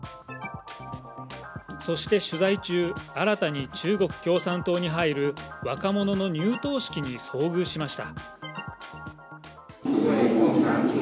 そして取材中、新たに中国共産党に入る若者の入党式に遭遇しました。